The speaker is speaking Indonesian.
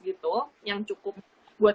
gitu yang cukup buat